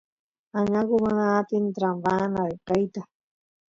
añangu mana atin trampaan ayqeyta